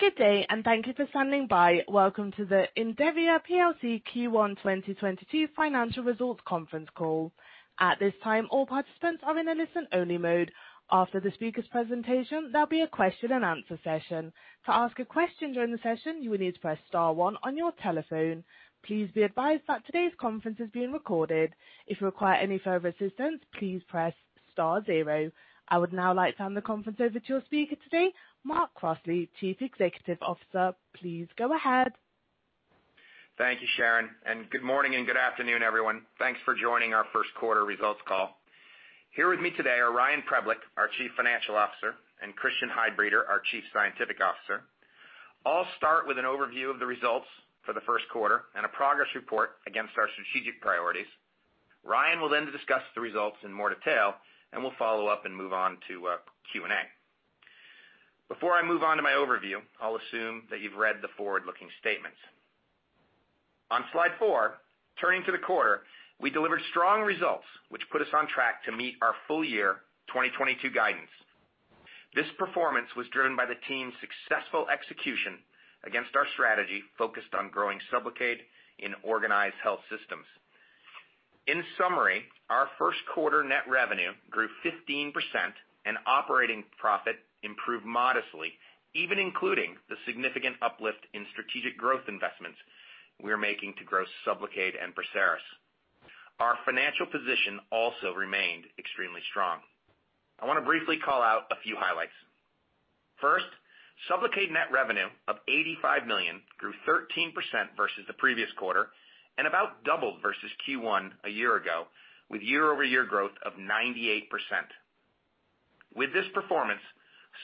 Good day, and thank you for standing by. Welcome to the Indivior PLC Q1 2022 financial results conference call. At this time, all participants are in a listen-only mode. After the speaker's presentation, there'll be a question and answer session. To ask a question during the session, you will need to press star one on your telephone. Please be advised that today's conference is being recorded. If you require any further assistance, please press star zero. I would now like to hand the conference over to your speaker today, Mark Crossley, Chief Executive Officer. Please go ahead. Thank you, Sharon, and good morning and good afternoon, everyone. Thanks for joining our first quarter results call. Here with me today are Ryan Preblick, our Chief Financial Officer, and Christian Heidbreder, our Chief Scientific Officer. I'll start with an overview of the results for the first quarter and a progress report against our strategic priorities. Ryan will then discuss the results in more detail and will follow up and move on to Q&A. Before I move on to my overview, I'll assume that you've read the forward-looking statements. On slide four, turning to the quarter, we delivered strong results, which put us on track to meet our full-year 2022 guidance. This performance was driven by the team's successful execution against our strategy focused on growing SUBLOCADE in Organized Health Systems. In summary, our first quarter net revenue grew 15%, and operating profit improved modestly, even including the significant uplift in strategic growth investments we're making to grow SUBLOCADE and PERSERIS. Our financial position also remained extremely strong. I wanna briefly call out a few highlights. First, SUBLOCADE net revenue of $85 million grew 13% versus the previous quarter and about doubled versus Q1 a year ago with year-over-year growth of 98%. With this performance,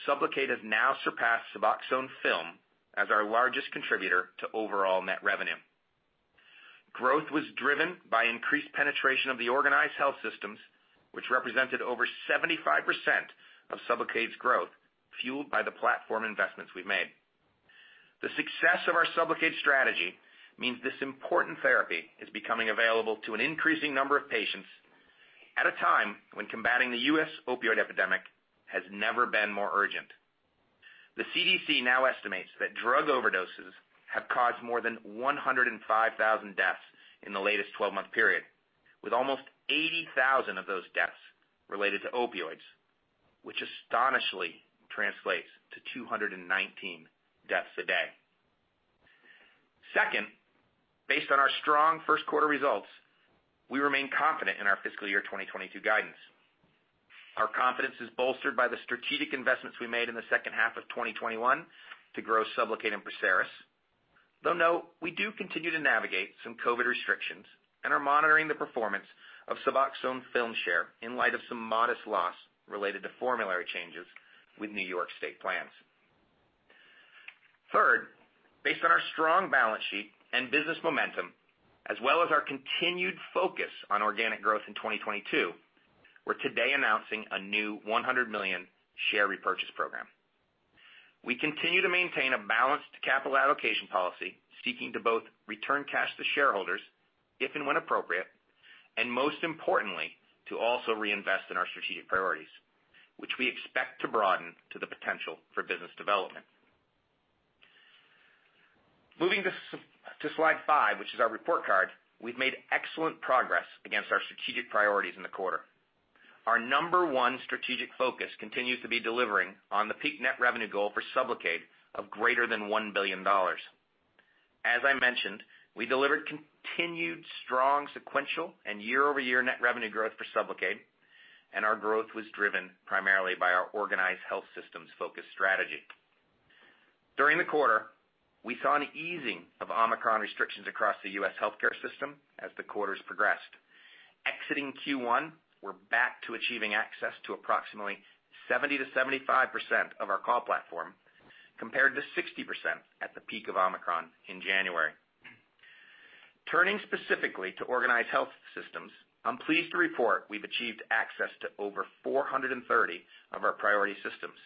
SUBLOCADE has now surpassed SUBOXONE Film as our largest contributor to overall net revenue. Growth was driven by increased penetration of the Organized Health Systems, which represented over 75% of SUBLOCADE's growth, fueled by the platform investments we've made. The success of our SUBLOCADE strategy means this important therapy is becoming available to an increasing number of patients at a time when combating the U.S. opioid epidemic has never been more urgent. The CDC now estimates that drug overdoses have caused more than 105,000 deaths in the latest twelve-month period, with almost 80,000 of those deaths related to opioids, which astonishingly translates to 219 deaths a day. Second, based on our strong first quarter results, we remain confident in our fiscal year 2022 guidance. Our confidence is bolstered by the strategic investments we made in the second half of 2021 to grow SUBLOCADE and PERSERIS, though note, we do continue to navigate some COVID restrictions and are monitoring the performance of SUBOXONE Film share in light of some modest loss related to formulary changes with New York State plans. Third, based on our strong balance sheet and business momentum, as well as our continued focus on organic growth in 2022, we're today announcing a new $100 million share repurchase program. We continue to maintain a balanced capital allocation policy, seeking to both return cash to shareholders, if and when appropriate, and most importantly, to also reinvest in our strategic priorities, which we expect to broaden to the potential for business development. Moving to slide five, which is our report card, we've made excellent progress against our strategic priorities in the quarter. Our number one strategic focus continues to be delivering on the peak net revenue goal for SUBLOCADE of greater than $1 billion. As I mentioned, we delivered continued strong sequential and year-over-year net revenue growth for SUBLOCADE, and our growth was driven primarily by our Organized Health Systems-focused strategy. During the quarter, we saw an easing of Omicron restrictions across the U.S. healthcare system as the quarters progressed. Exiting Q1, we're back to achieving access to approximately 70%-75% of our call platform, compared to 60% at the peak of Omicron in January. Turning specifically to Organized Health Systems, I'm pleased to report we've achieved access to over 430 of our priority systems.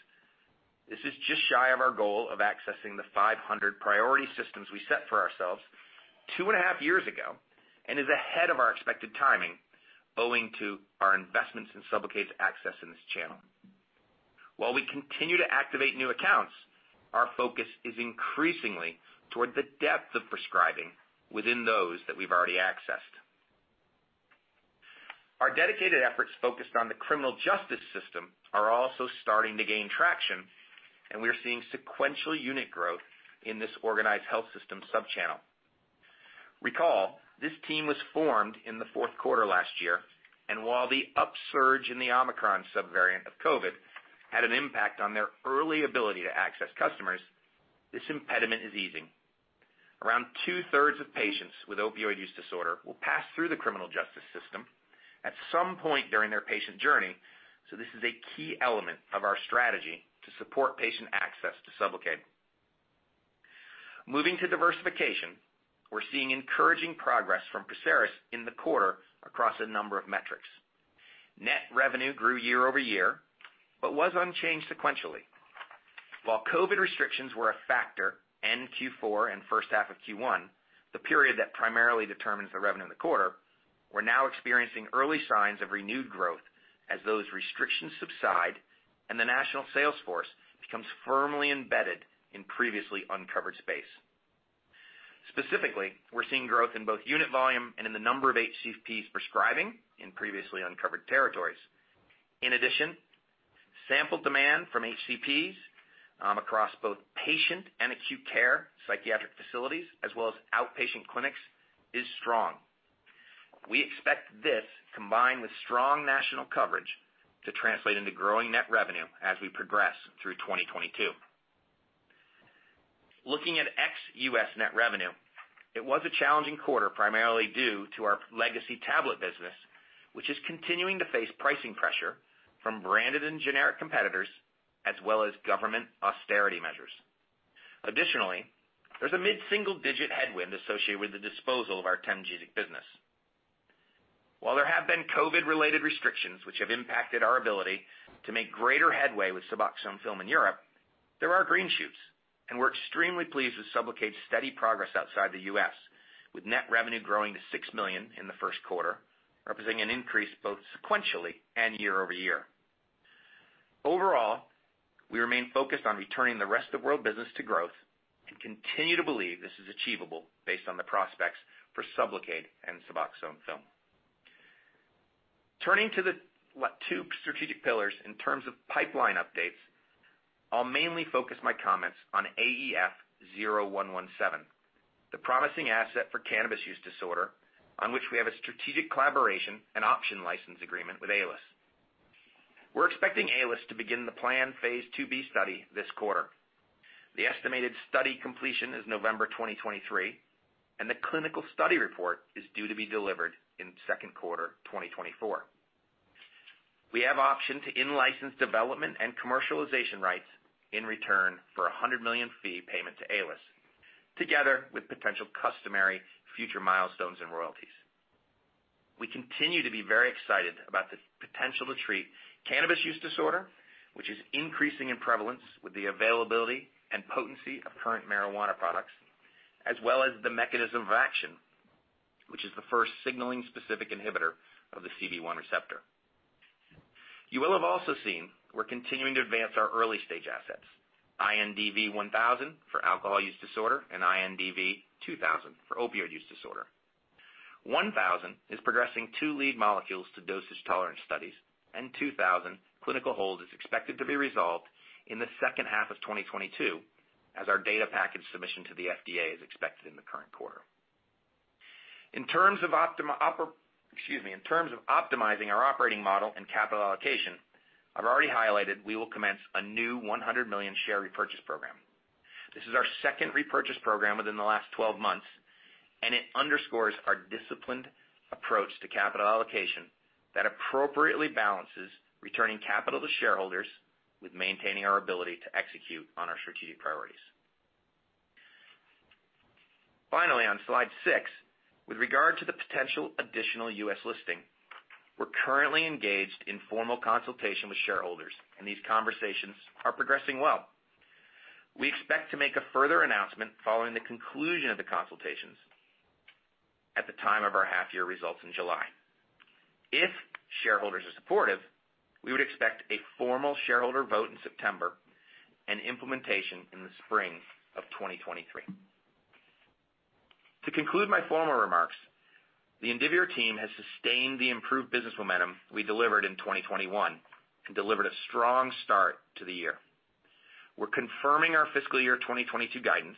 This is just shy of our goal of accessing the 500 priority systems we set for ourselves 2.5 years ago, and is ahead of our expected timing owing to our investments in SUBLOCADE's access in this channel. While we continue to activate new accounts, our focus is increasingly toward the depth of prescribing within those that we've already accessed. Our dedicated efforts focused on the criminal justice system are also starting to gain traction, and we are seeing sequential unit growth in this Organized Health System sub-channel. Recall, this team was formed in the fourth quarter last year, and while the upsurge in the Omicron subvariant of COVID had an impact on their early ability to access customers, this impediment is easing. Around two-thirds of patients with opioid use disorder will pass through the criminal justice system at some point during their patient journey, so this is a key element of our strategy to support patient access to SUBLOCADE. Moving to diversification, we're seeing encouraging progress from PERSERIS in the quarter across a number of metrics. Net revenue grew year-over-year but was unchanged sequentially. While COVID restrictions were a factor in Q4 and first half of Q1. We're now experiencing early signs of renewed growth as those restrictions subside and the national sales force becomes firmly embedded in previously uncovered space. Specifically, we're seeing growth in both unit volume and in the number of HCPs prescribing in previously uncovered territories. In addition, sample demand from HCPs across both inpatient and acute care psychiatric facilities, as well as outpatient clinics, is strong. We expect this, combined with strong national coverage, to translate into growing net revenue as we progress through 2022. Looking at ex-U.S. net revenue, it was a challenging quarter, primarily due to our legacy tablet business, which is continuing to face pricing pressure from branded and generic competitors as well as government austerity measures. Additionally, there's a mid-single-digit headwind associated with the disposal of our Temgesic business. While there have been COVID-related restrictions which have impacted our ability to make greater headway with SUBOXONE Film in Europe, there are green shoots, and we're extremely pleased with SUBLOCADE's steady progress outside the U.S., with net revenue growing to $6 million in the first quarter, representing an increase both sequentially and year-over-year. Overall, we remain focused on returning the rest of world business to growth and continue to believe this is achievable based on the prospects for SUBLOCADE and SUBOXONE Film. Turning to the two strategic pillars in terms of pipeline updates, I'll mainly focus my comments on AEF0117, the promising asset for cannabis use disorder on which we have a strategic collaboration and option license agreement with Aelis. We're expecting Aelis to begin the planned phase II-B study this quarter. The estimated study completion is November 2023, and the clinical study report is due to be delivered in second quarter 2024. We have option to in-license development and commercialization rights in return for a $100 million fee payment to Aelis, together with potential customary future milestones and royalties. We continue to be very excited about the potential to treat cannabis use disorder, which is increasing in prevalence with the availability and potency of current marijuana products, as well as the mechanism of action, which is the first signaling specific inhibitor of the CB1 receptor. You will have also seen we're continuing to advance our early-stage assets, INDV-1000 for alcohol use disorder and INDV-2000 for opioid use disorder. INDV-1000 is progressing two lead molecules to dosage tolerance studies, and INDV-2000 clinical hold is expected to be resolved in the second half of 2022 as our data package submission to the FDA is expected in the current quarter. In terms of optimizing our operating model and capital allocation, I've already highlighted we will commence a new $100 million share repurchase program. This is our second repurchase program within the last 12 months, and it underscores our disciplined approach to capital allocation that appropriately balances returning capital to shareholders with maintaining our ability to execute on our strategic priorities. Finally, on slide six, with regard to the potential additional U.S. listing, we're currently engaged in formal consultation with shareholders and these conversations are progressing well. We expect to make a further announcement following the conclusion of the consultations at the time of our half year results in July. If shareholders are supportive, we would expect a formal shareholder vote in September and implementation in the spring of 2023. To conclude my formal remarks, the Indivior team has sustained the improved business momentum we delivered in 2021 and delivered a strong start to the year. We're confirming our fiscal year 2022 guidance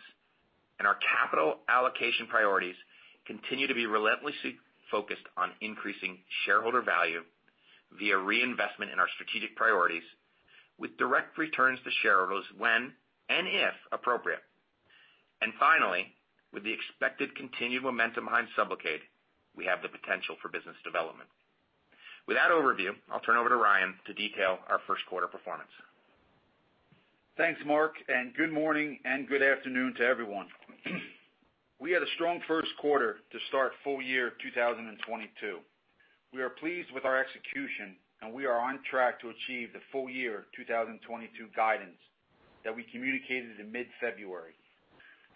and our capital allocation priorities continue to be relentlessly focused on increasing shareholder value via reinvestment in our strategic priorities with direct returns to shareholders when and if appropriate. Finally, with the expected continued momentum behind SUBLOCADE, we have the potential for business development. With that overview, I'll turn over to Ryan to detail our first quarter performance. Thanks, Mark, and good morning and good afternoon to everyone. We had a strong first quarter to start full year 2022. We are pleased with our execution, and we are on track to achieve the full year 2022 guidance that we communicated in mid-February.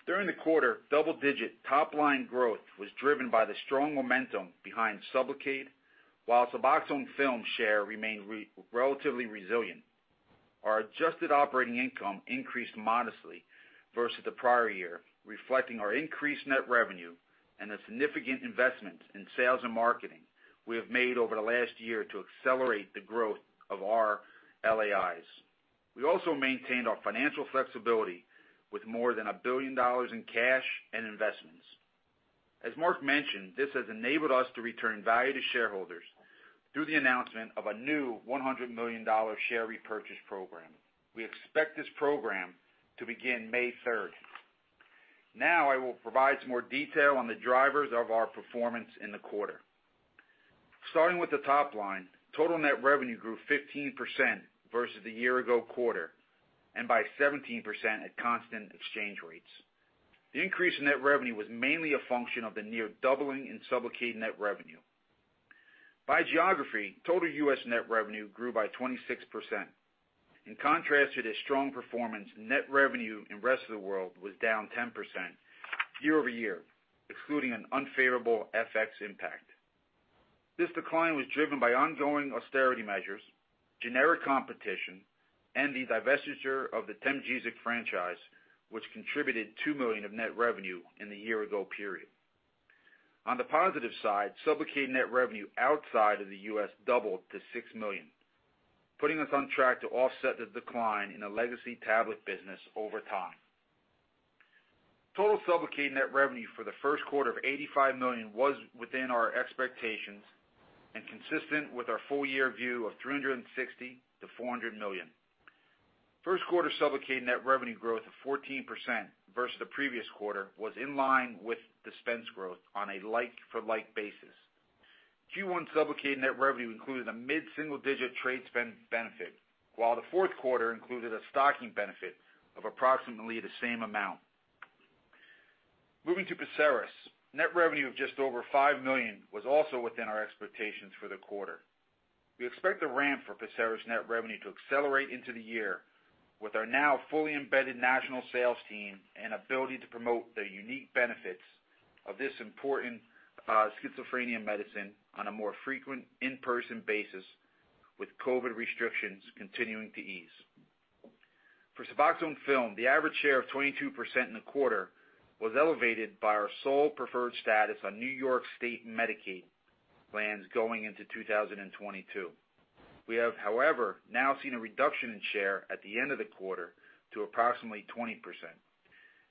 During the quarter, double-digit top-line growth was driven by the strong momentum behind SUBLOCADE, while SUBOXONE Film share remained relatively resilient. Our adjusted operating income increased modestly versus the prior year, reflecting our increased net revenue and the significant investments in sales and marketing we have made over the last year to accelerate the growth of our LAIs. We also maintained our financial flexibility with more than $1 billion in cash and investments. As Mark mentioned, this has enabled us to return value to shareholders through the announcement of a new $100 million share repurchase program. We expect this program to begin May 3rd. Now I will provide some more detail on the drivers of our performance in the quarter. Starting with the top line, total net revenue grew 15% versus the year-ago quarter, and by 17% at constant exchange rates. The increase in net revenue was mainly a function of the near doubling in SUBLOCADE net revenue. By geography, total U.S. net revenue grew by 26%. In contrast to this strong performance, net revenue in rest of the world was down 10% year-over-year, excluding an unfavorable FX impact. This decline was driven by ongoing austerity measures, generic competition, and the divestiture of the Temgesic franchise, which contributed $2 million of net revenue in the year-ago period. On the positive side, SUBLOCADE net revenue outside of the U.S. doubled to $6 million, putting us on track to offset the decline in the legacy tablet business over time. Total SUBLOCADE net revenue for the first quarter of $85 million was within our expectations and consistent with our full year view of $360 million-$400 million. First quarter SUBLOCADE net revenue growth of 14% versus the previous quarter was in line with dispense growth on a like-for-like basis. Q1 SUBLOCADE net revenue included a mid-single-digit trade spend benefit, while the fourth quarter included a stocking benefit of approximately the same amount. Moving to PERSERIS. Net revenue of just over $5 million was also within our expectations for the quarter. We expect the ramp for PERSERIS net revenue to accelerate into the year with our now fully embedded national sales team and ability to promote the unique benefits of this important schizophrenia medicine on a more frequent in-person basis, with COVID restrictions continuing to ease. For SUBOXONE Film, the average share of 22% in the quarter was elevated by our sole preferred status on New York State Medicaid plans going into 2022. We have, however, now seen a reduction in share at the end of the quarter to approximately 20%.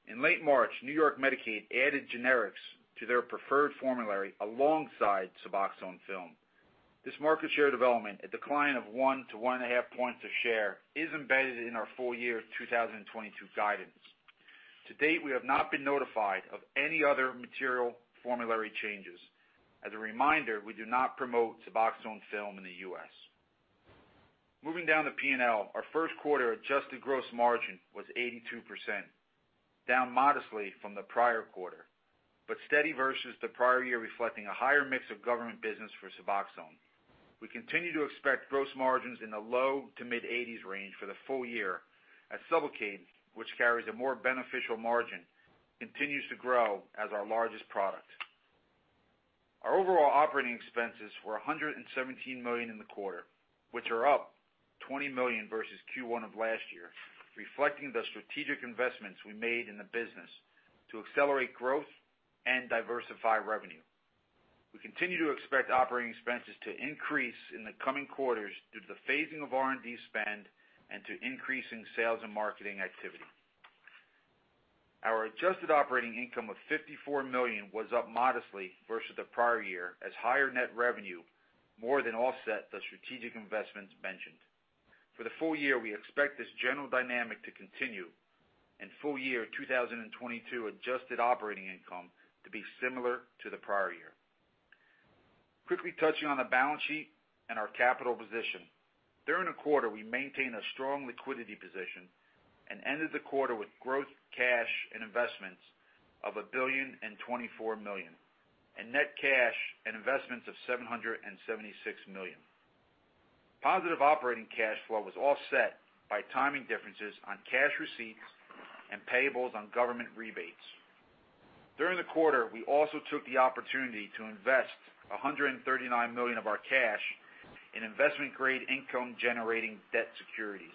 In late March, New York Medicaid added generics to their preferred formulary alongside SUBOXONE Film. This market share development, a decline of one-1.5 points of share, is embedded in our full-year 2022 guidance. To date, we have not been notified of any other material formulary changes. As a reminder, we do not promote SUBOXONE Film in the U.S. Moving down to P&L. Our first quarter adjusted gross margin was 82%, down modestly from the prior quarter, but steady versus the prior year, reflecting a higher mix of government business for SUBOXONE. We continue to expect gross margins in the low- to mid-80s% range for the full year as SUBLOCADE, which carries a more beneficial margin, continues to grow as our largest product. Our overall operating expenses were $117 million in the quarter, which are up $20 million versus Q1 of last year, reflecting the strategic investments we made in the business to accelerate growth and diversify revenue. We continue to expect operating expenses to increase in the coming quarters due to the phasing of R&D spend and to increase in sales and marketing activity. Our adjusted operating income of $54 million was up modestly versus the prior year as higher net revenue more than offset the strategic investments mentioned. For the full year, we expect this general dynamic to continue and full year 2022 adjusted operating income to be similar to the prior year. Quickly touching on the balance sheet and our capital position. During the quarter, we maintained a strong liquidity position and ended the quarter with gross cash and investments of $1.024 billion, and net cash and investments of $776 million. Positive operating cash flow was offset by timing differences on cash receipts and payables on government rebates. During the quarter, we also took the opportunity to invest $139 million of our cash in investment grade income generating debt securities.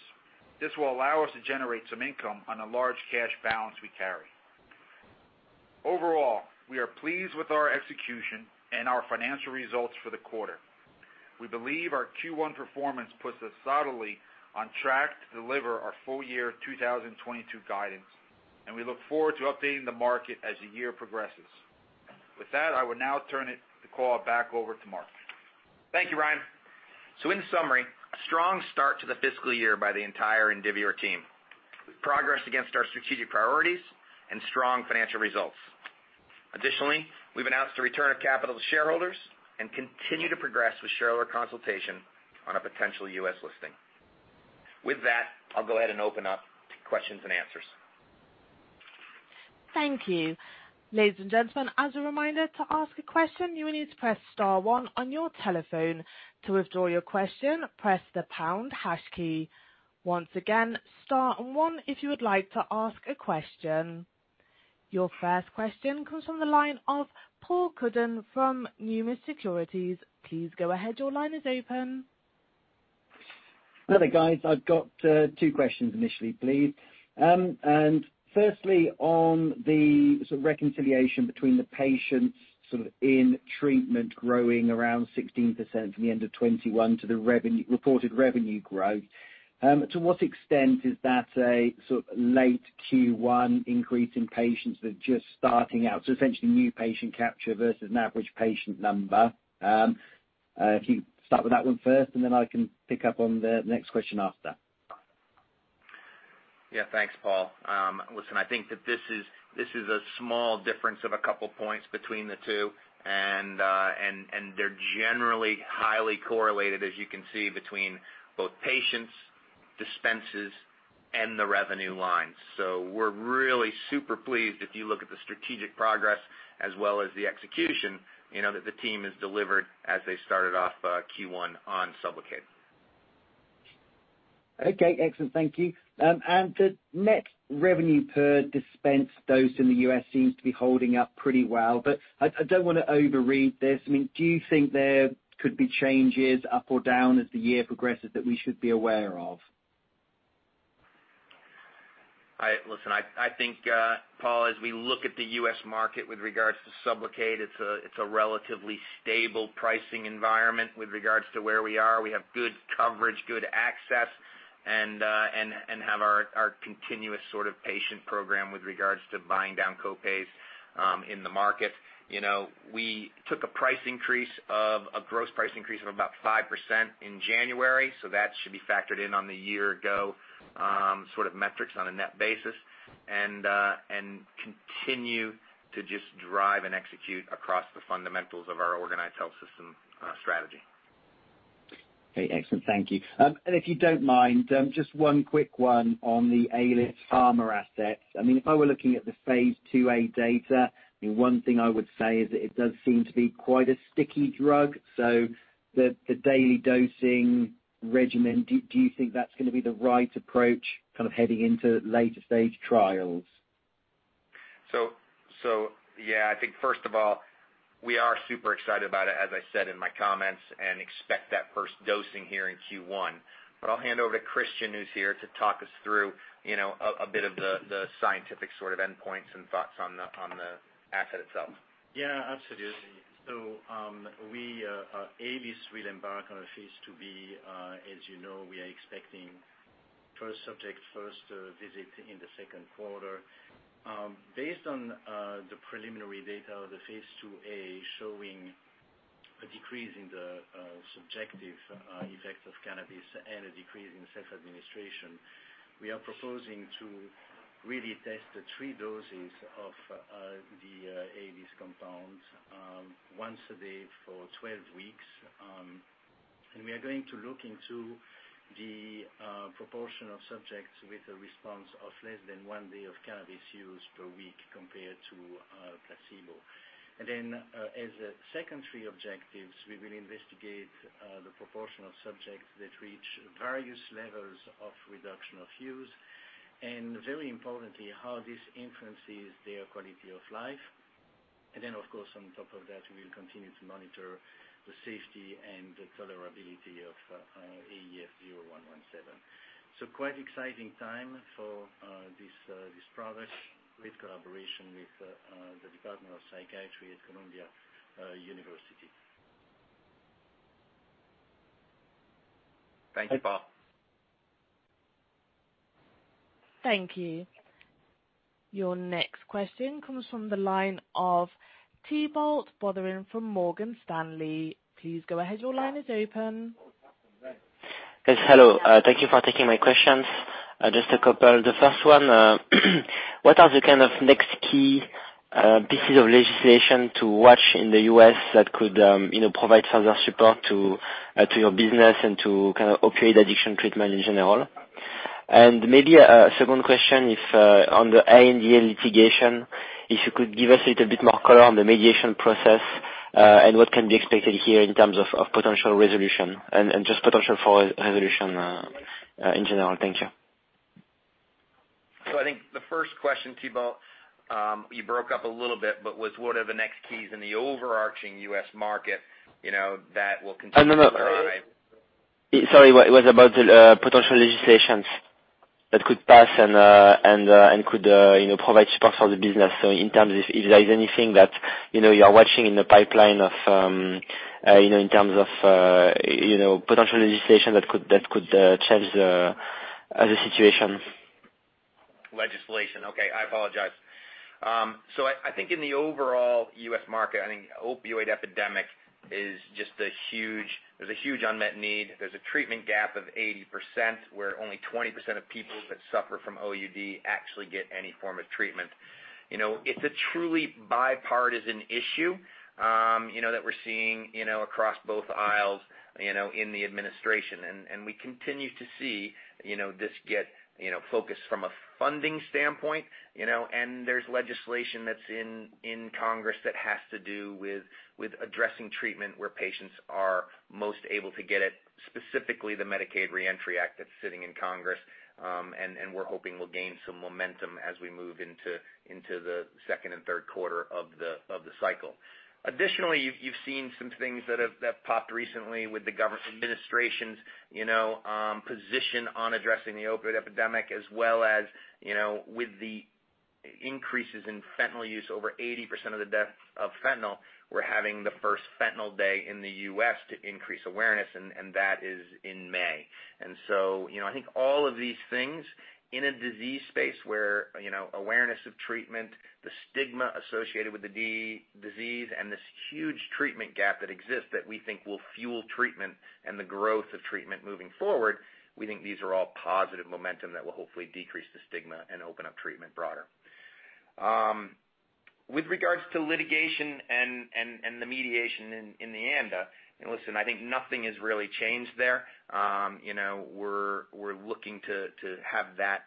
This will allow us to generate some income on a large cash balance we carry. Overall, we are pleased with our execution and our financial results for the quarter. We believe our Q1 performance puts us solidly on track to deliver our full year 2022 guidance, and we look forward to updating the market as the year progresses. With that, I would now turn the call back over to Mark. Thank you, Ryan. In summary, a strong start to the fiscal year by the entire Indivior team. We've progressed against our strategic priorities and strong financial results. Additionally, we've announced the return of capital to shareholders and continue to progress with shareholder consultation on a potential U.S. listing. With that, I'll go ahead and open up to questions and answers. Thank you. Ladies and gentlemen, as a reminder, to ask a question, you will need to press star one on your telephone. To withdraw your question, press the pound hash key. Once again, star one if you would like to ask a question. Your first question comes from the line of Paul Cuddon from Numis Securities. Please go ahead. Your line is open. Hi there, guys. I've got two questions initially, please. Firstly, on the sort of reconciliation between the patients sort of in treatment growing around 16% from the end of 2021 to the reported revenue growth, to what extent is that a sort of late Q1 increase in patients that are just starting out, so essentially new patient capture versus an average patient number? If you start with that one first, and then I can pick up on the next question after that. Yeah. Thanks, Paul. Listen, I think that this is a small difference of a couple points between the two and they're generally highly correlated, as you can see, between both patient dispenses and the revenue line. We're really super pleased if you look at the strategic progress as well as the execution, you know, that the team has delivered as they started off Q1 on SUBLOCADE. Okay. Excellent. Thank you. The net revenue per dispense dose in the U.S. seems to be holding up pretty well, but I don't wanna overread this. I mean, do you think there could be changes up or down as the year progresses that we should be aware of? Listen, I think, Paul, as we look at the U.S. market with regards to SUBLOCADE, it's a relatively stable pricing environment with regards to where we are. We have good coverage, good access, and have our continuous sort of patient program with regards to buying down co-pays in the market. You know, we took a gross price increase of about 5% in January, so that should be factored in on the year-ago sort of metrics on a net basis. Continue to just drive and execute across the fundamentals of our Organized Health System strategy. Okay. Excellent. Thank you. If you don't mind, just one quick one on the Aelis Farma assets. I mean, if I were looking at the phase II-A data, I mean, one thing I would say is that it does seem to be quite a sticky drug. The daily dosing regimen, do you think that's gonna be the right approach kind of heading into later-stage trials? Yeah, I think first of all, we are super excited about it, as I said in my comments, and expect that first dosing here in Q1. I'll hand over to Christian, who's here to talk us through, you know, a bit of the scientific sort of endpoints and thoughts on the asset itself. Yeah, absolutely. We Aelis will embark on a phase II-B, as you know, we are expecting first subject first visit in the second quarter. Based on the preliminary data of the phase II-A showing a decrease in the subjective effects of cannabis and a decrease in self-administration, we are proposing to really test the three doses of the Aelis compound once a day for 12 weeks. We are going to look into the proportion of subjects with a response of less than one day of cannabis use per week compared to placebo. As a secondary objectives, we will investigate the proportion of subjects that reach various levels of reduction of use, and very importantly, how this influences their quality of life. Of course, on top of that, we'll continue to monitor the safety and the tolerability of AEF0117. Quite exciting time for this progress with collaboration with the Department of Psychiatry at Columbia University. Thank you, Paul. Thank you. Your next question comes from the line of Thibault Boutherin from Morgan Stanley. Please go ahead. Your line is open. Yes, hello. Thank you for taking my questions. Just a couple. The first one, what are the kind of next key pieces of legislation to watch in the U.S. that could, you know, provide further support to your business and to kind of opiate addiction treatment in general? Maybe a second question if, on the ANDA litigation, if you could give us a little bit more color on the mediation process, and what can be expected here in terms of potential resolution and just potential for resolution, in general. Thank you. I think the first question, Thibault, you broke up a little bit, but was what are the next keys in the overarching U.S. market, you know, that will continue to drive- Oh, no. Sorry, it was about the potential legislation that could pass and could, you know, provide support for the business. In terms of if there is anything that, you know, you are watching in the pipeline of, you know, in terms of, you know, potential legislation that could change the situation. Legislation. Okay, I apologize. So I think in the overall U.S. market, I think opioid epidemic is just a huge. There's a huge unmet need. There's a treatment gap of 80%, where only 20% of people that suffer from OUD actually get any form of treatment. You know, it's a truly bipartisan issue, you know, that we're seeing, you know, across both aisles, you know, in the administration. We continue to see, you know, this getting, you know, focus from a funding standpoint, you know, and there's legislation that's in Congress that has to do with addressing treatment where patients are most able to get it, specifically the Medicaid Reentry Act that's sitting in Congress, and we're hoping will gain some momentum as we move into the second and third quarter of the cycle. Additionally, you've seen some things that have popped recently with the government administration's, you know, position on addressing the opioid epidemic, as well as, you know, with the increases in fentanyl use, over 80% of the deaths of fentanyl, we're having the first fentanyl day in the U.S. to increase awareness, and that is in May. I think all of these things in a disease space where, you know, awareness of treatment, the stigma associated with the disease and this huge treatment gap that exists that we think will fuel treatment and the growth of treatment moving forward, we think these are all positive momentum that will hopefully decrease the stigma and open up treatment broader. With regards to litigation and the mediation in the end, and listen, I think nothing has really changed there. You know, we're looking to have that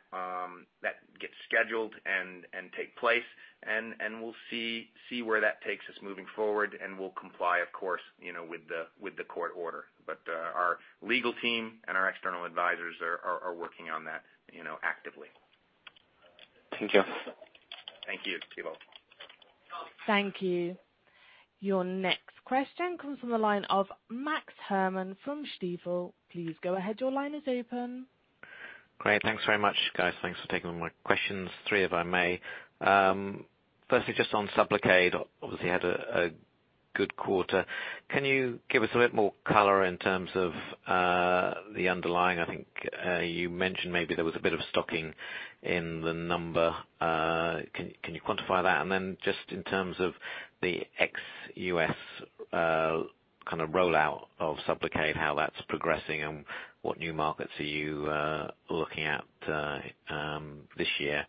get scheduled and take place. We'll see where that takes us moving forward, and we'll comply, of course, you know, with the court order. Our legal team and our external advisors are working on that, you know, actively. Thank you. Thank you, Thibault. Thank you. Your next question comes from the line of Max Herrmann from Stifel. Please go ahead. Your line is open. Great. Thanks very much, guys. Thanks for taking my questions. Three, if I may. Firstly, just on SUBLOCADE, obviously had a good quarter. Can you give us a bit more color in terms of the underlying? I think you mentioned maybe there was a bit of stocking in the number. Can you quantify that? And then just in terms of the ex-U.S. kinda rollout of SUBLOCADE, how that's progressing and what new markets are you looking at this year?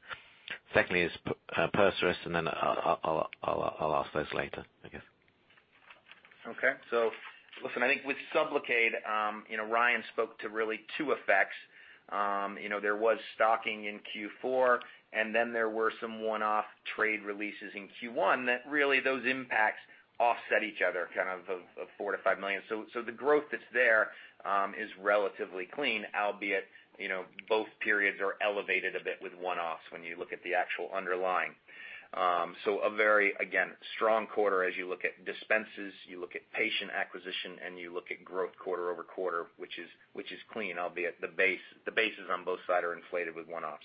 Secondly is PERSERIS, and then I'll ask those later, I guess. Okay. Listen, I think with SUBLOCADE, you know, Ryan spoke to really two effects. You know, there was stocking in Q4, and then there were some one-off trade releases in Q1 that really those impacts offset each other kind of $4 million-$5 million. So the growth that's there is relatively clean, albeit, you know, both periods are elevated a bit with one-offs when you look at the actual underlying. So a very, again, strong quarter as you look at dispenses, you look at patient acquisition, and you look at growth quarter-over-quarter, which is clean, albeit the bases on both sides are inflated with one-offs.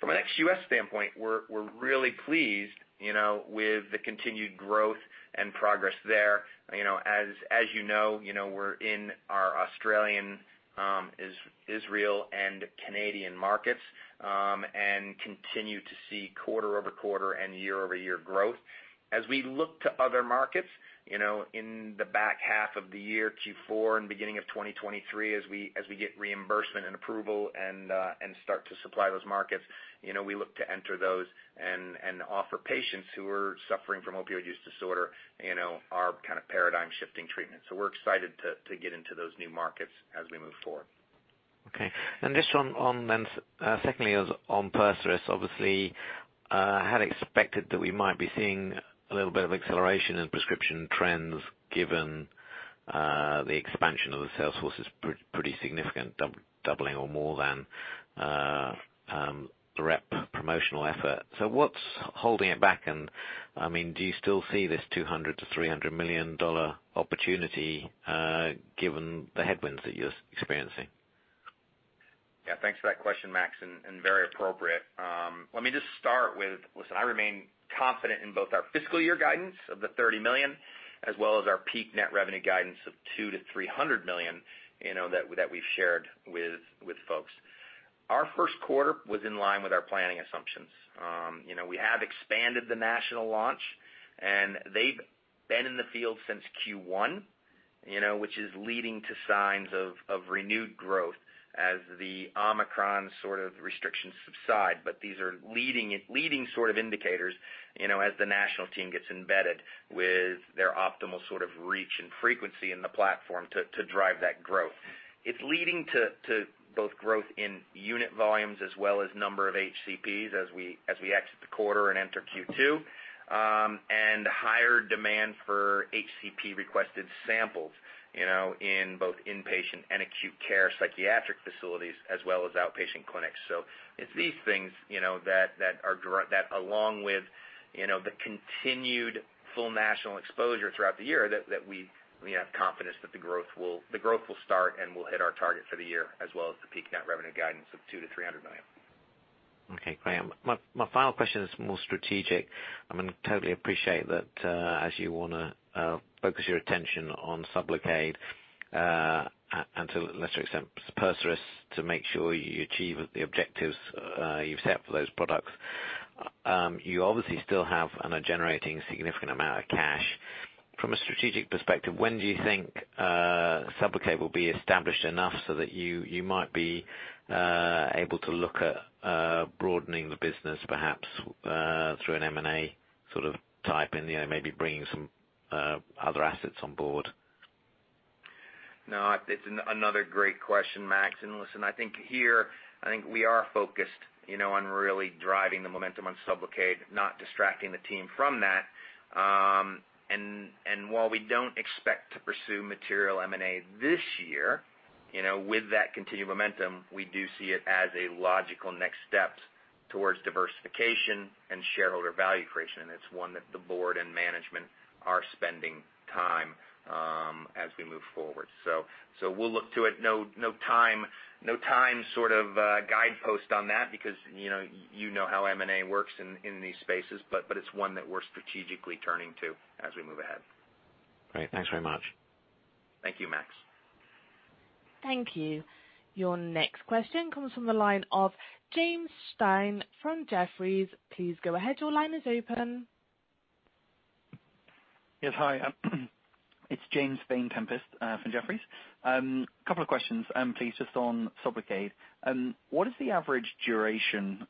From an ex-U.S. standpoint, we're really pleased, you know, with the continued growth and progress there. You know, as you know, we're in our Australian, Israel and Canadian markets, and continue to see quarter-over-quarter and year-over-year growth. As we look to other markets, you know, in the back half of the year, Q4 and beginning of 2023, as we get reimbursement and approval and start to supply those markets, you know, we look to enter those and offer patients who are suffering from opioid use disorder, you know, our kinda paradigm-shifting treatment. We're excited to get into those new markets as we move forward. Okay. Just one on then, secondly is on PERSERIS. Obviously, had expected that we might be seeing a little bit of acceleration in prescription trends given the expansion of the sales force is pretty significant, doubling or more than the rep promotional effort. What's holding it back? I mean, do you still see this $200 million-$300 million opportunity given the headwinds that you're experiencing? Yeah. Thanks for that question, Max, and very appropriate. Let me just start with, listen, I remain confident in both our fiscal year guidance of the $30 million, as well as our peak net revenue guidance of $200 million-$300 million, you know, that we've shared with folks. Our first quarter was in line with our planning assumptions. You know, we have expanded the national launch, and they've been in the field since Q1, you know, which is leading to signs of renewed growth as the Omicron sort of restrictions subside. These are leading sort of indicators, you know, as the national team gets embedded with their optimal sort of reach and frequency in the platform to drive that growth. It's leading to both growth in unit volumes as well as number of HCPs as we exit the quarter and enter Q2, and higher demand for HCP-requested samples, you know, in both inpatient and acute care psychiatric facilities, as well as outpatient clinics. It's these things, you know, that along with, you know, the continued full national exposure throughout the year that we have confidence that the growth will start, and we'll hit our target for the year, as well as the peak net revenue guidance of $200 million-$300 million. Okay. Great. My final question is more strategic. I mean, totally appreciate that, as you wanna focus your attention on SUBLOCADE, and to a lesser extent, PERSERIS, to make sure you achieve the objectives you've set for those products. You obviously still have and are generating significant amount of cash. From a strategic perspective, when do you think SUBLOCADE will be established enough so that you might be able to look at broadening the business perhaps through an M&A sort of type and, you know, maybe bringing some other assets on board? No, it's another great question, Max. Listen, I think we are focused, you know, on really driving the momentum on SUBLOCADE, not distracting the team from that. While we don't expect to pursue material M&A this year, you know, with that continued momentum, we do see it as a logical next step towards diversification and shareholder value creation. It's one that the board and management are spending time as we move forward. We'll look to it. No time sort of guidepost on that because you know how M&A works in these spaces, but it's one that we're strategically turning to as we move ahead. Great. Thanks very much. Thank you, Max. Thank you. Your next question comes from the line of James Vane-Tempest from Jefferies. Please go ahead. Your line is open. Yes, hi. It's James Vane-Tempest from Jefferies. Couple of questions, please, just on SUBLOCADE. What is the average duration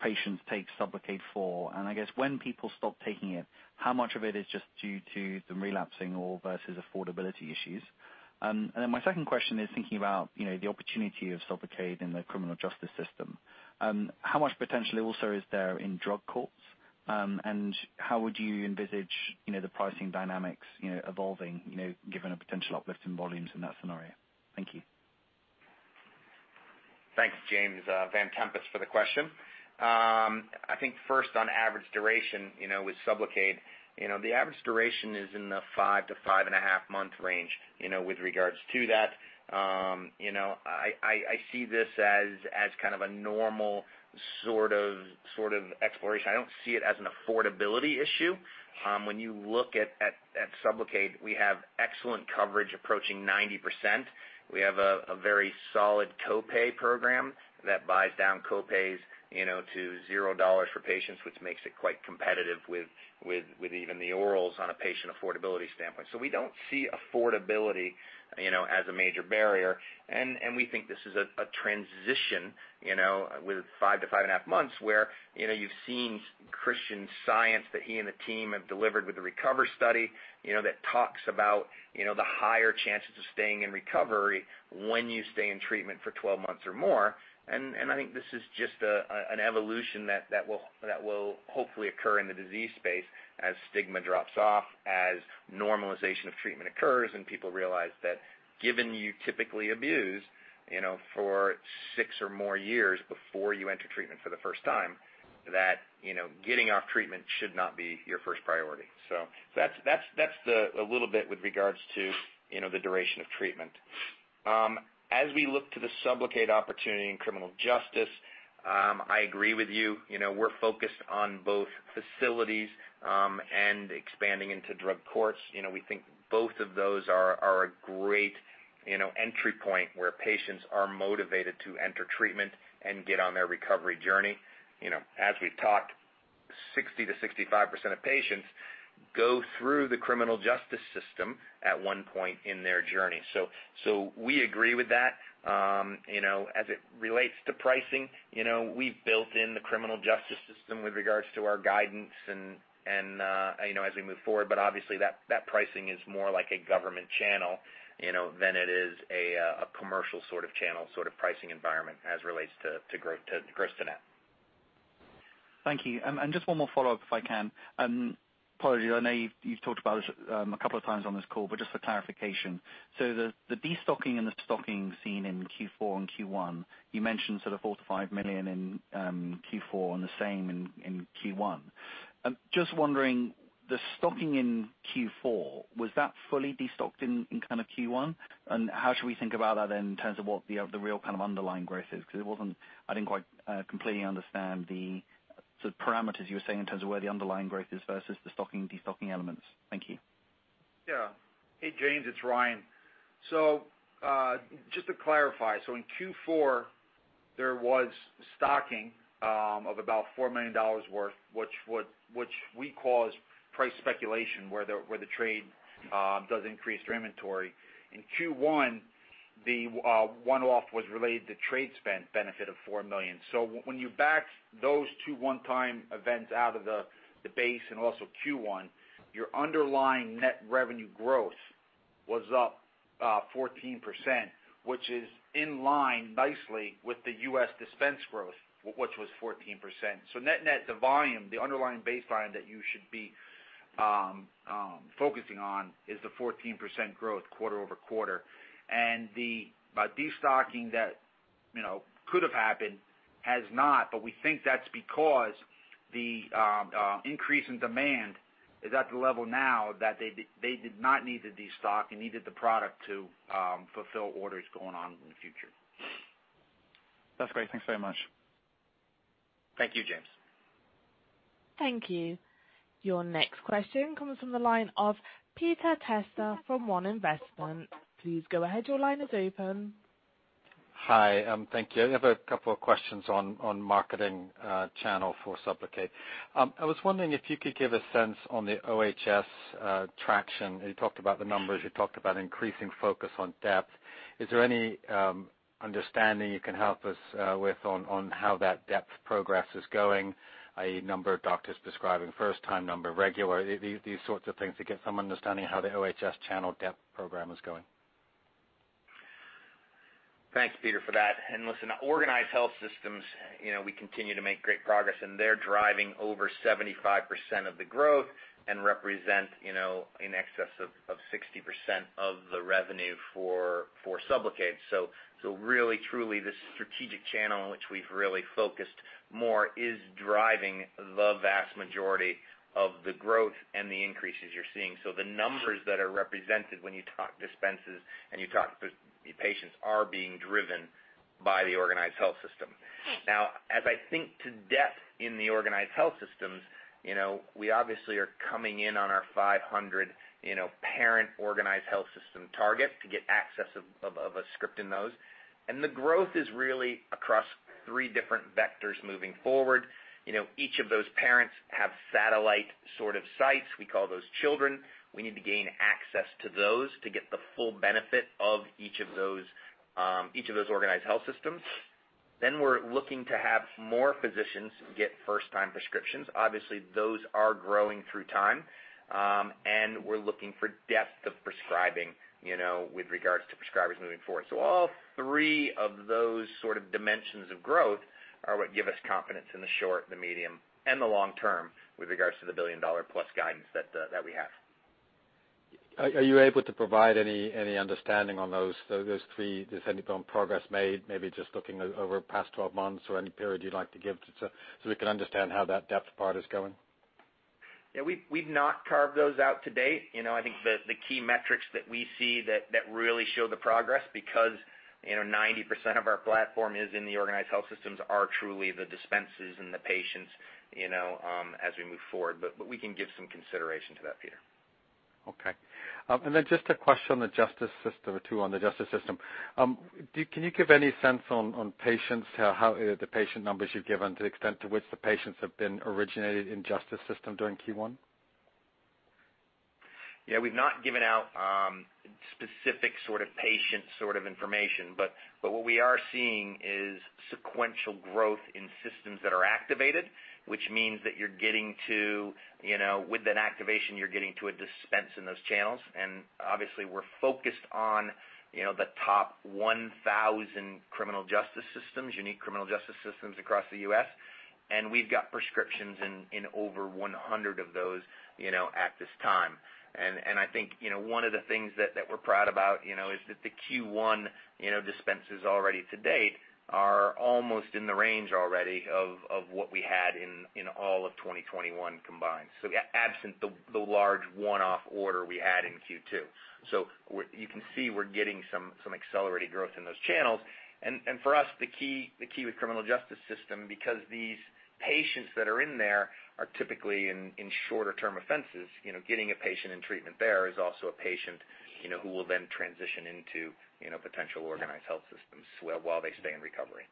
patients take SUBLOCADE for? And I guess when people stop taking it, how much of it is just due to them relapsing or versus affordability issues? Then my second question is thinking about, you know, the opportunity of SUBLOCADE in the criminal justice system. How much potential also is there in drug courts? How would you envisage, you know, the pricing dynamics, you know, evolving, you know, given a potential uplift in volumes in that scenario? Thank you. Thanks, James Vane-Tempest, for the question. I think first on average duration, you know, with SUBLOCADE, you know, the average duration is in the five to 5.5-month range. You know, with regards to that, you know, I see this as kind of a normal sort of exploration. I don't see it as an affordability issue. When you look at SUBLOCADE, we have excellent coverage approaching 90%. We have a very solid co-pay program that buys down co-pays, you know, to $0 for patients, which makes it quite competitive with even the orals on a patient affordability standpoint. We don't see affordability, you know, as a major barrier. We think this is a transition, you know, with five to 5.5 months where, you know, you've seen Christian's science that he and the team have delivered with the RECOVER study, you know, that talks about, you know, the higher chances of staying in recovery when you stay in treatment for 12 months or more. I think this is just an evolution that will hopefully occur in the disease space as stigma drops off, as normalization of treatment occurs, and people realize that given you typically abuse, you know, for 6 or more years before you enter treatment for the first time, that, you know, getting off treatment should not be your first priority. That's a little bit with regards to, you know, the duration of treatment. As we look to the SUBLOCADE opportunity in criminal justice, I agree with you. You know, we're focused on both facilities and expanding into drug courts. You know, we think both of those are a great entry point where patients are motivated to enter treatment and get on their recovery journey. You know, as we've talked, 60%-65% of patients go through the criminal justice system at one point in their journey. We agree with that. You know, as it relates to pricing, you know, we've built in the criminal justice system with regards to our guidance and you know, as we move forward, but obviously that pricing is more like a government channel, you know, than it is a commercial sort of channel, sort of pricing environment as it relates to gross-to-net. Thank you. And just one more follow-up if I can. Probably I know you've talked about this a couple of times on this call, but just for clarification. The destocking and the stocking seen in Q4 and Q1, you mentioned sort of $4 million-$5 million in Q4 and the same in Q1. Just wondering, the stocking in Q4, was that fully destocked in kind of Q1? How should we think about that in terms of what the real kind of underlying growth is, 'cause it wasn't. I didn't quite completely understand the sort of parameters you were saying in terms of where the underlying growth is versus the stocking/destocking elements. Thank you. Yeah. Hey, James, it's Ryan. Just to clarify. In Q4, there was stocking of about $4 million worth, which we call price speculation, where the trade does increase their inventory. In Q1, the one-off was related to trade spend benefit of $4 million. When you back those two one-time events out of the base and also Q1, your underlying net revenue growth was up 14%, which is in line nicely with the U.S. dispense growth, which was 14%. Net-net, the volume, the underlying baseline that you should be focusing on is the 14% growth quarter-over-quarter. The destocking that you know could have happened has not, but we think that's because the increase in demand is at the level now that they did not need to destock. They needed the product to fulfill orders going on in the future. That's great. Thanks so much. Thank you, James. Thank you. Your next question comes from the line of Peter Testa from One Investments. Please go ahead. Your line is open. Hi. Thank you. I have a couple of questions on marketing channel for SUBLOCADE. I was wondering if you could give a sense on the OHS traction. You talked about the numbers, you talked about increasing focus on depth. Is there any understanding you can help us with on how that depth progress is going, i.e. number of doctors prescribing first time, number of regular, these sorts of things to get some understanding how the OHS channel depth program is going? Thanks, Peter, for that. Listen, Organized Health Systems, you know, we continue to make great progress, and they're driving over 75% of the growth and represent, you know, in excess of 60% of the revenue for SUBLOCADE. Really truly this strategic channel in which we've really focused more is driving the vast majority of the growth and the increases you're seeing. The numbers that are represented when you talk dispenses and you talk to the patients are being driven by the Organized Health System. Now, as I think in depth in the Organized Health Systems, you know, we obviously are coming in on our 500 parent organized health system target to get access of a script in those. The growth is really across three different vectors moving forward. You know, each of those parents have satellite sort of sites. We call those children. We need to gain access to those to get the full benefit of each of those Organized Health Systems. We're looking to have more physicians get first-time prescriptions. Obviously, those are growing through time, and we're looking for depth of prescribing, you know, with regards to prescribers moving forward. All three of those sort of dimensions of growth are what give us confidence in the short, the medium, and the long term with regards to the billion-dollar plus guidance that we have. Are you able to provide any understanding on those three? Has any progress been made, maybe just looking back over the past 12 months or any period you'd like to give us so we can understand how that R&D part is going? Yeah, we've not carved those out to date. You know, I think the key metrics that we see that really show the progress, because, you know, 90% of our platform is in the Organized Health Systems are truly the dispensers and the patients, you know, as we move forward. We can give some consideration to that, Peter. Okay. Just a question on the justice system, too. Can you give any sense on patients, how the patient numbers you've given to the extent to which the patients have been originated in justice system during Q1? Yeah, we've not given out specific sort of patient sort of information, but what we are seeing is sequential growth in systems that are activated, which means that you're getting to, you know, with an activation, you're getting to a dispense in those channels. Obviously we're focused on, you know, the top 1,000 criminal justice systems, unique criminal justice systems across the U.S., and we've got prescriptions in over 100 of those, you know, at this time. I think, you know, one of the things that we're proud about, you know, is that the Q1 dispensers already to date are almost in the range already of what we had in all of 2021 combined, so absent the large one-off order we had in Q2. You can see we're getting some accelerated growth in those channels. For us, the key with criminal justice system, because these patients that are in there are typically in shorter term offenses, you know, getting a patient in treatment there is also a patient, you know, who will then transition into, you know, potential Organized Health Systems while they stay in recovery.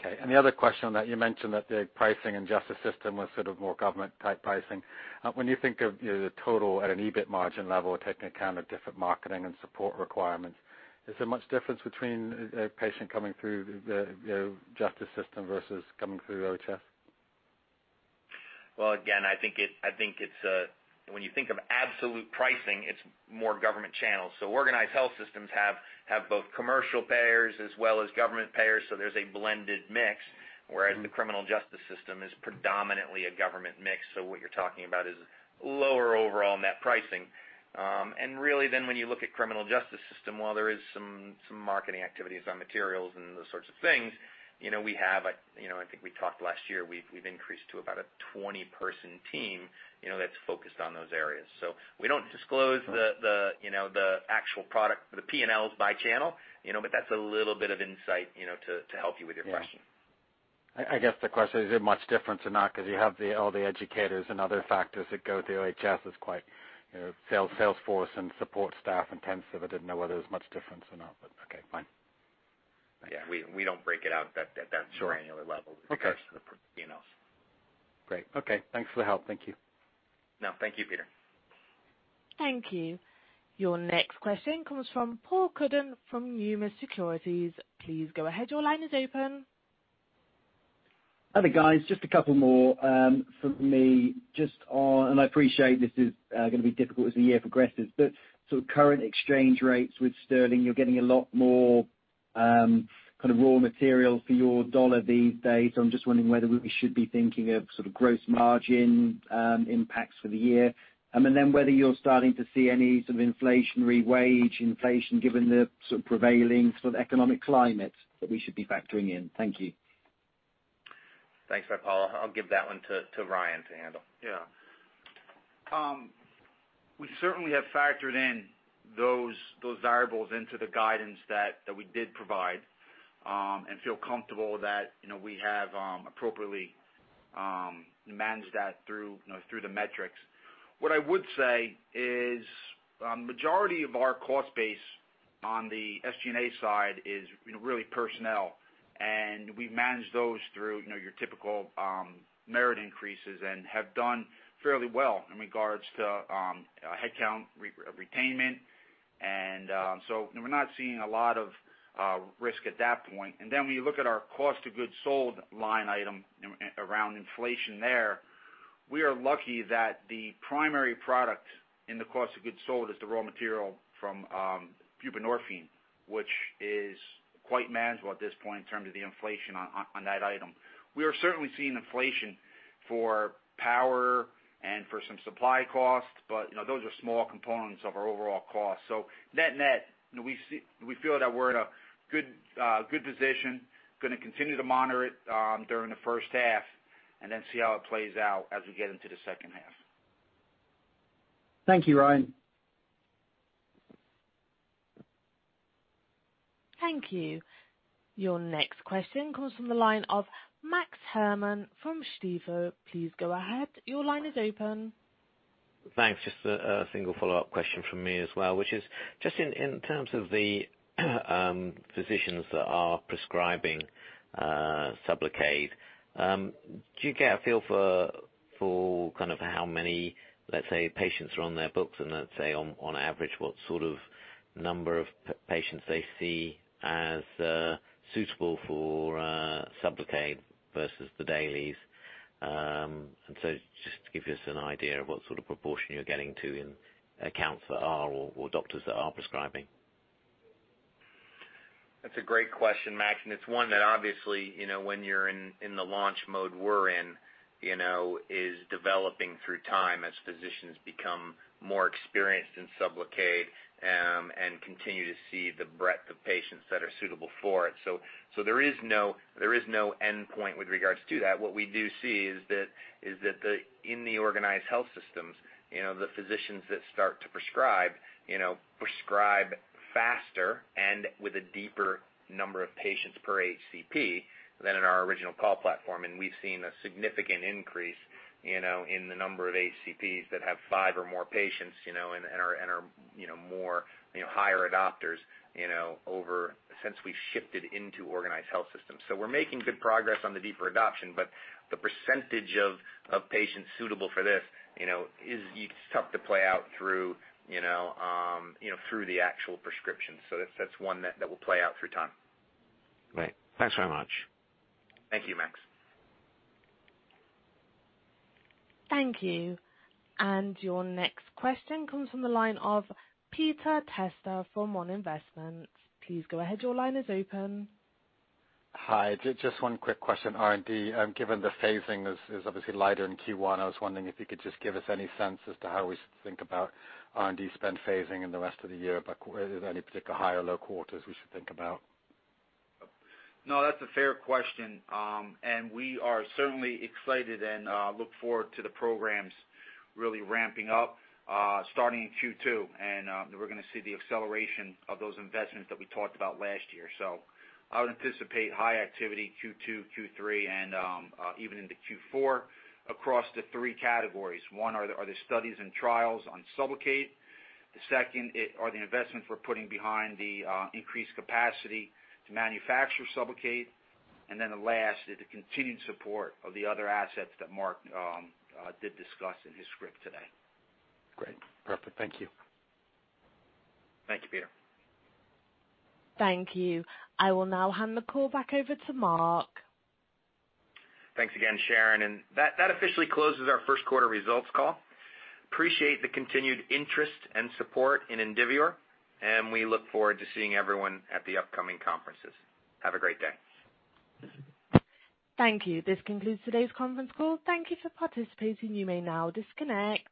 Okay. The other question on that, you mentioned that the pricing and justice system was sort of more government type pricing. When you think of, you know, the total at an EBIT margin level, taking account of different marketing and support requirements, is there much difference between a patient coming through the justice system versus coming through OHS? Well, again, I think it's when you think of absolute pricing, it's more government channels. Organized Health Systems have both commercial payers as well as government payers, so there's a blended mix, whereas the criminal justice system is predominantly a government mix. What you're talking about is lower overall net pricing. Really then when you look at criminal justice system, while there is some marketing activities on materials and those sorts of things, you know, we have a, you know, I think we talked last year, we've increased to about a 20-person team, you know, that's focused on those areas. We don't disclose the actual product, the P&Ls by channel, you know, but that's a little bit of insight, you know, to help you with your question. Yeah. I guess the question is it much different or not? 'Cause you have all the educators and other factors that go through OHS is quite, you know, sales force and support staff intensive. I didn't know whether there's much difference or not, but okay, fine. Yeah, we don't break it out at that granular level. Sure. Okay when it comes to the P&Ls. Great. Okay. Thanks for the help. Thank you. No, thank you, Peter. Thank you. Your next question comes from Paul Cuddon from Numis Securities. Please go ahead. Your line is open. Hi there, guys. Just a couple more from me just on. I appreciate this is gonna be difficult as the year progresses, but sort of current exchange rates with sterling, you're getting a lot more kind of raw material for your dollar these days. I'm just wondering whether we should be thinking of sort of gross margin impacts for the year. Whether you're starting to see any sort of inflationary wage inflation given the sort of prevailing sort of economic climate that we should be factoring in. Thank you. Thanks, Paul. I'll give that one to Ryan to handle. Yeah. We certainly have factored in those variables into the guidance that we did provide, and feel comfortable that, you know, we have appropriately managed that through, you know, through the metrics. What I would say is, majority of our cost base on the SG&A side is, you know, really personnel, and we manage those through, you know, your typical merit increases and have done fairly well in regards to headcount retention. So we're not seeing a lot of risk at that point. Then when you look at our cost of goods sold line item around inflation there, we are lucky that the primary product in the cost of goods sold is the raw material from buprenorphine, which is quite manageable at this point in terms of the inflation on that item. We are certainly seeing inflation for power and for some supply costs, but you know, those are small components of our overall cost. Net-net, we feel that we're in a good position, gonna continue to monitor it, during the first half and then see how it plays out as we get into the second half. Thank you, Ryan. Thank you. Your next question comes from the line of Max Herrmann from Stifel. Please go ahead. Your line is open. Thanks. Just a single follow-up question from me as well, which is just in terms of the physicians that are prescribing SUBLOCADE, do you get a feel for kind of how many, let's say, patients are on their books and let's say on average, what sort of number of patients they see as suitable for SUBLOCADE versus the dailies? Just to give us an idea of what sort of proportion you're getting to in accounts that are or doctors that are prescribing. That's a great question, Max. It's one that obviously, you know, when you're in the launch mode we're in, you know, is developing through time as physicians become more experienced in SUBLOCADE, and continue to see the breadth of patients that are suitable for it. There is no endpoint with regards to that. What we do see is that the in the Organized Health Systems, you know, the physicians that start to prescribe, you know, prescribe faster and with a deeper number of patients per HCP than in our original call platform. We've seen a significant increase, you know, in the number of HCPs that have five or more patients, you know, and are, you know, more, you know, higher adopters, you know, ever since we've shifted into Organized Health Systems. We're making good progress on the deeper adoption, but the percentage of patients suitable for this, you know, is tough to play out through, you know, you know, through the actual prescription. That's one that will play out through time. Great. Thanks very much. Thank you, Max. Thank you. Your next question comes from the line of Peter Testa from One Investments. Please go ahead. Your line is open. Hi, just one quick question. R&D, given the phasing is obviously lighter in Q1, I was wondering if you could just give us any sense as to how we should think about R&D spend phasing in the rest of the year. Is there any particular high or low quarters we should think about? No, that's a fair question. We are certainly excited and look forward to the programs really ramping up starting in Q2. We're gonna see the acceleration of those investments that we talked about last year. I would anticipate high activity Q2, Q3, and even into Q4 across the three categories. One are the studies and trials on SUBLOCADE. The second are the investments we're putting behind the increased capacity to manufacture SUBLOCADE. The last is the continued support of the other assets that Mark did discuss in his script today. Great. Perfect. Thank you. Thank you, Peter. Thank you. I will now hand the call back over to Mark. Thanks again, Sharon, and that officially closes our first quarter results call. Appreciate the continued interest and support in Indivior, and we look forward to seeing everyone at the upcoming conferences. Have a great day. Thank you. This concludes today's conference call. Thank you for participating. You may now disconnect.